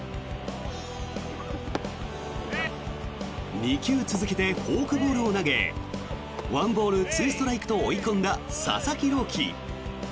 ２球続けてフォークボールを投げ１ボール２ストライクと追い込んだ佐々木朗希。